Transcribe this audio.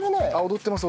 踊ってます